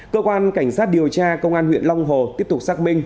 cơ quan cảnh sát điều tra công an huyện long hồ tiếp tục xác minh